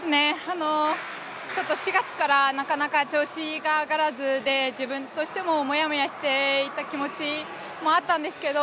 ちょっと４月からなかなか調子が上がらずで自分としてもモヤモヤしていた気持ちもあったんですけど